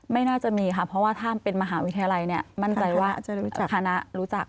ไม่น่าจะมีค่ะเพราะว่าถ้าเป็นมหาวิทยาลัยเนี่ยมั่นใจว่าคณะรู้จัก